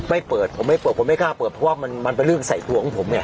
เปิดผมไม่เปิดผมไม่กล้าเปิดเพราะว่ามันเป็นเรื่องใส่ตัวของผมไง